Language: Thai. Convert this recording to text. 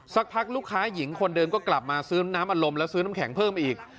สักพักลูกค้าหญิงคนเดิมก็กลับมาซื้อน้ำอารมณ์แล้วซื้อน้ำแข็งเพิ่มอีก